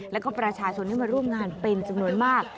แล้วก็ประชาชนที่มาร่วมงานเป็นจำนวนมาก